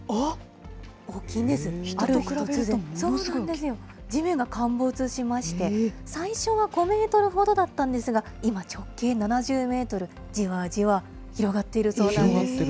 ある日、突然地面が陥没しまして、最初は５メートルほどだったんですが、今、直径７０メートル、じわじわ広がっているそうなんです。